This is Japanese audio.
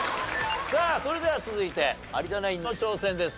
さあそれでは続いて有田ナインの挑戦です。